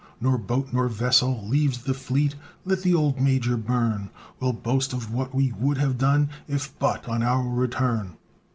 Nor boat, nor vessel, leaves the fleet, "Let the old Major burn, We'll boast of what we would have done, If but on our return."